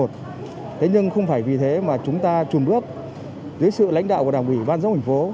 thế nhưng không phải vì thế mà chúng ta trùn bước dưới sự lãnh đạo của đảng ủy ban dống thành phố